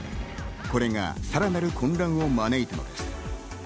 これがさらなる混乱を招いたのです。